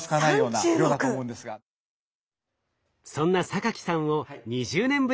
そんなさんを２０年ぶりに取材。